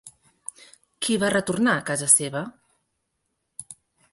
Qui va retornar a casa seva?